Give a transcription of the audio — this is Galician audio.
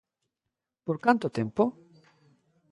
¿Por canto tempo?